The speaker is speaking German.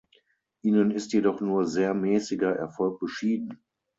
Ihnen ist jedoch nur sehr mäßiger Erfolg beschieden.